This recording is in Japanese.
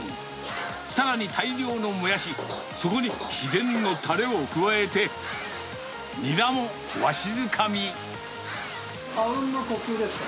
さらに大量のモヤシ、そこに秘伝のたれを加えて、ニラもわしづかあうんの呼吸ですか。